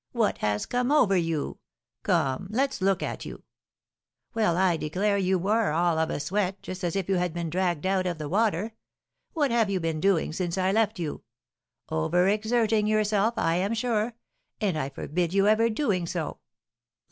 What has come over you? Come, let's look at you! Well, I declare, you are all of a sweat, just as if you had been dragged out of the water! What have you been doing since I left you? Overexerting yourself, I am sure, and I forbid you ever doing so.